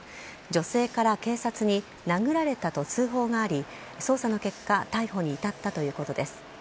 女性から警察に殴られたと通報があり捜査の結果逮捕に至ったということです。